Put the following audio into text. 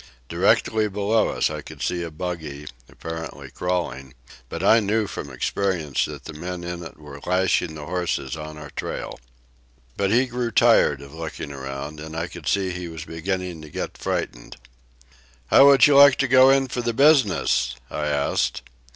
Directly below us I could see a buggy, apparently crawling, but I knew from experience that the men in it were lashing the horses on our trail. But he grew tired of looking around, and I could see he was beginning to get frightened. "How would you like to go in for the business?" I asked.